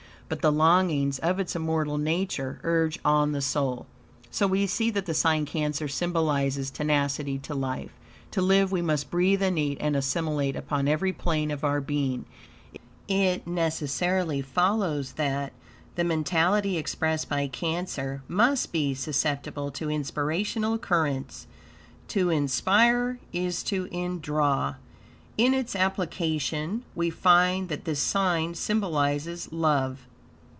But the longings of its immortal nature urge on the soul. So we see that the sign Cancer symbolizes tenacity to life; to live we must breathe and eat and assimilate upon every plane of our being. It necessarily follows that, the mentality expressed by Cancer must be susceptible to inspirational currents; to inspire is to indraw. In its application, we find that this sign symbolizes love.